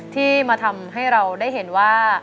ที่มาทำให้เราได้เห็นว่า